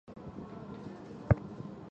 中华人民共和国女政治家。